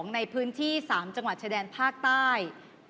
ในพื้นที่๓จังหวัดชายแดนภาคใต้